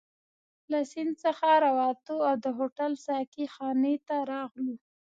له سیند څخه راووتو او د هوټل ساقي خانې ته راغلو.